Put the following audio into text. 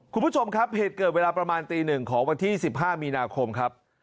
คุณผู้ชมครับเหตุเกิดเวลาประมาณตี๑ของวันที่๑๕มีนาคมครับ